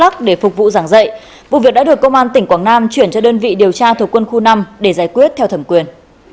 cụ việc đã được công an tỉnh quảng nam chuyển cho đơn vị điều tra thuộc quân khu năm để giải quyết theo thẩm quyền